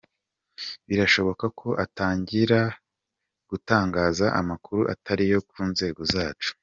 Birashoboka ko atangira gutangaza amakuru atari yo ku nzego zacu".